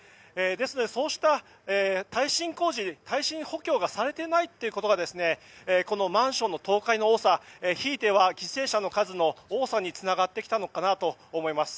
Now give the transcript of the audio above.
そうした耐震補強がされていないというのがマンションの倒壊ひいては、犠牲者の数の多さにつながってきたのかなと思います。